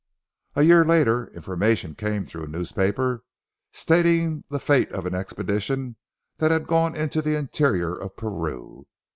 A year later information came through a newspaper, stating the fate of an expedition that had gone into the interior of Peru.